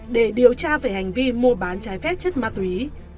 để điều tra về hành vi mua bán trái phép chất ma túy